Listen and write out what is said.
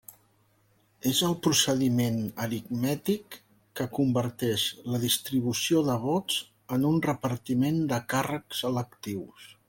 És el procediment aritmètic que converteix la distribució de vots en un repartiment de càrrecs electius.